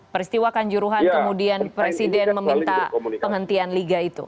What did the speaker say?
peristiwa kanjuruhan kemudian presiden meminta penghentian liga itu